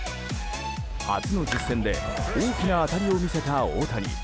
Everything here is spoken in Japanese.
初の実戦で大きな当たりを見せた大谷。